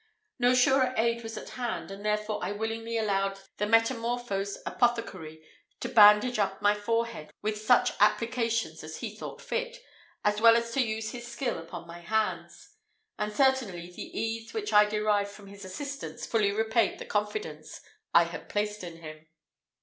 No surer aid was at hand, and therefore I willingly allowed the metamorphosed apothecary to bandage up my forehead with such applications as he thought fit, as well as to use his skill upon my hands; and certainly the ease which I derived from his assistance fully repaid the confidence I had placed in him.